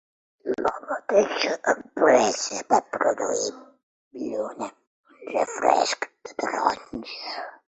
La mateixa empresa va produir Bluna, un refresc de taronja.